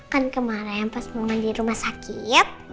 kan kemarin pas memang di rumah sakit